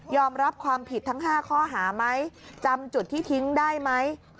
รับความผิดทั้ง๕ข้อหาไหมจำจุดที่ทิ้งได้ไหม